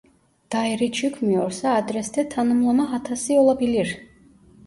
Daire çıkmıyorsa adreste tanımlama hatası olabilir